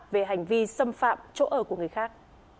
về hành vi xâm phạm chỗ ở của người khác